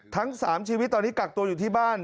ทั้ง๓ชีวิตตอนนี้กักตัวอยู่ที่บ้าน